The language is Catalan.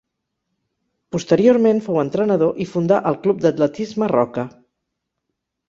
Posteriorment fou entrenador i fundà el Club d'Atletisme Roca.